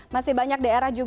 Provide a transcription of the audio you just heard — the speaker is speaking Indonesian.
masih banyak daerah juga